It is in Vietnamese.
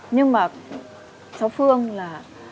nhưng mà cháu phương là